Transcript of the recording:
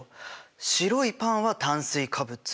白いパンは炭水化物。